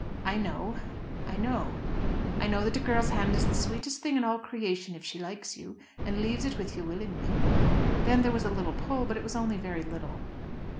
"I know I know I know that a girl's hand is the sweetest thing in all creation if she likes you, and leaves it with you willingly." Then there was a little pull, but it was only very little.